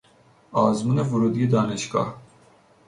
آزمون ورودی دانشگاه